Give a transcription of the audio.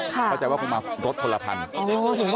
ก็จะว่ามารถคนละครั้ง